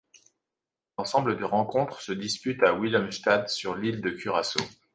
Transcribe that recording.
L'ensemble des rencontres se dispute à Willemstad, sur l'île de Curaçao.